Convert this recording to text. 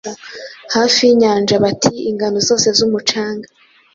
Hafi yinyanja Bati 'Ingano zose z'umucanga,